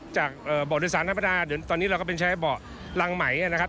จากเบาะโดยสารธรรมดาเดี๋ยวตอนนี้เราก็เป็นใช้เบาะรังไหมนะครับ